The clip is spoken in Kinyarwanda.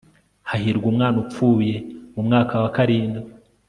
Hahirwa umwana upfuye mumwaka wa karindwi